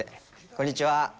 こんにちは。